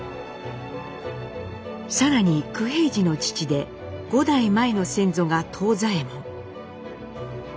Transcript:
更に九平治の父で５代前の先祖が藤左ヱ門。